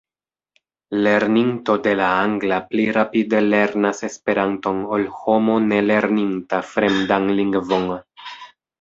Lerninto de la angla pli rapide lernas Esperanton ol homo ne lerninta fremdan lingvon.